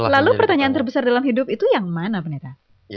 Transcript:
lalu pertanyaan terbesar dalam hidup itu yang mana